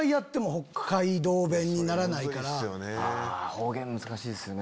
方言難しいですよね。